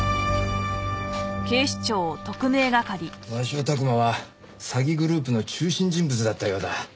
鷲尾琢磨は詐欺グループの中心人物だったようだ。